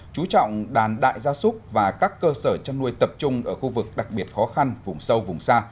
chú trọng đàn đại gia súc và các cơ sở chăn nuôi tập trung ở khu vực đặc biệt khó khăn vùng sâu vùng xa